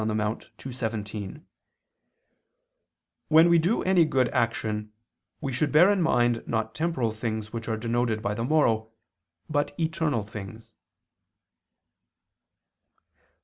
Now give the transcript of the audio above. in Monte ii, 17): "When we do any good action, we should bear in mind not temporal things which are denoted by the morrow, but eternal things."